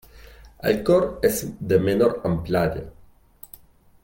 El cor és de menor amplària.